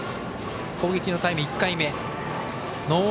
攻撃のタイム１回目。